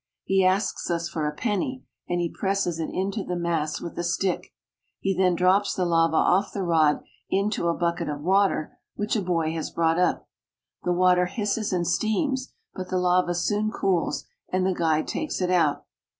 He asks us for a penny and he presses it into the mass with a stick. He then drops the lava off the rod into a bucket of water which a boy has brought up. The water hisses and steams, but the lava soon cools and the guide takes it out.